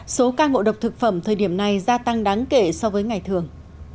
số ca ngộ độc thực phẩm thời điểm này gia tăng đáng kể so với ngày thường